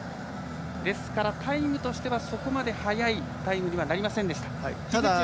ですからタイムとしてはそこまで速いタイムにはなりませんでした。